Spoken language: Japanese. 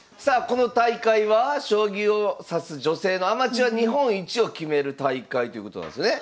この大会は将棋を指す女性のアマチュア日本一を決める大会ということなんですね。